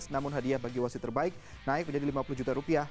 namun hadiah bagi wasit terbaik naik menjadi lima puluh juta rupiah